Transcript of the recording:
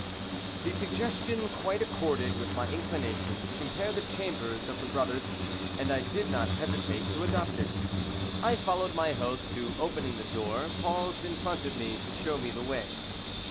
THE suggestion quite accorded with my inclination to compare the chambers of the brothers, and I did not hesitate to adopt it. I followed my host, who, opening the door, paused in front of me to show me the way.